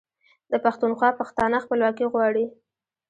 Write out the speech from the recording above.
د پښتونخوا پښتانه خپلواکي غواړي.